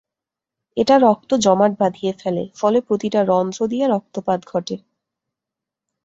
এটা রক্ত জমাট বাধিয়ে ফেলে, ফলে প্রতিটা রন্ধ্র দিয়ে রক্তপাত ঘটে।